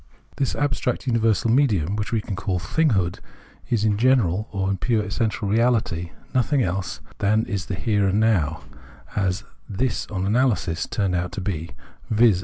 This abstract universal medium, which we can call " Thinghood " in general or pure essential reality, is nothing else than the Here and Now as this on analysis turned out to be, viz.